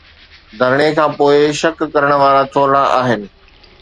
ڌرڻي کان پوءِ شڪ ڪرڻ وارا ٿورڙا آهن.